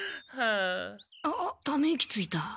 あっため息ついた。